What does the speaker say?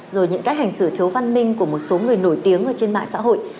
rồi những cách hành xử thiếu văn minh của một số người nổi tiếng ở trên mạng xã hội